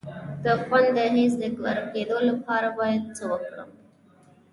د خوند د حس د ورکیدو لپاره باید څه وکړم؟